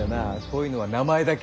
こういうのは名前だけ。